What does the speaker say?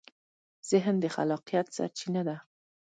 ذهن د خلاقیت سرچینه ده.